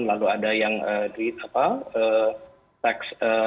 lalu ada yang tax